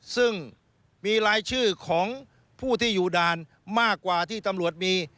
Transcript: ซึ่งมีรายชื่อของผู้ที่อยู่ด่านมากกว่าที่ตำรวจมี